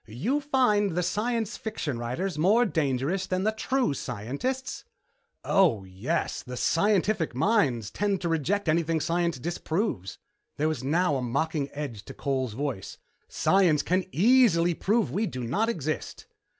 "You find the science fiction writers more dangerous than the true scientists?" "Oh, yes. The scientific mind tends to reject anything science disproves." There was now a mocking edge to Cole's voice. "Science can easily prove we do not exist."